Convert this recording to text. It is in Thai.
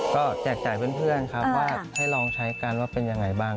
ก็แจกจ่ายเพื่อนครับว่าให้ลองใช้กันว่าเป็นยังไงบ้าง